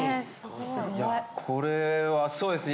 これはそうですね。